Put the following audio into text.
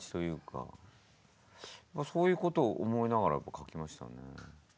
そういうことを思いながら書きましたよね。